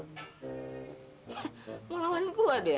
he mau lawan gue dia